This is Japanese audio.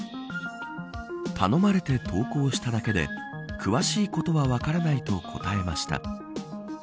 頼まれて投稿しただけで詳しいことは分からないと答えました。